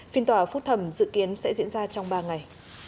phiên tòa phúc thẩm dự kiến sẽ diễn ra trong ba ngày